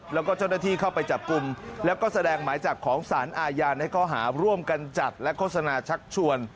แล้วก็เจ้าหน้าที่เข้าไปจับกลุ่มแล้วก็แสดงหมายจับของสารอาญาในข้อหาร่วมกันจัดและโฆษณาชักชวน